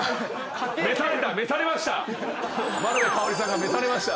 召された召されました。